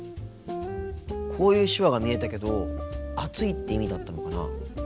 こういう手話が見えたけど暑いって意味だったのかな。